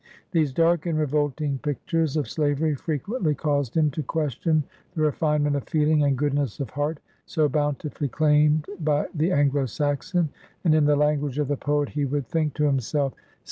These dark and revolting pictures of slavery frequently caused him to question the refine ment of feeling and goodness of heart so bountifully claimed by the Anglo Saxon, and, in the language of the poet, he would think to himself.